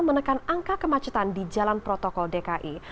menekan angka kemacetan di jalan protokol dki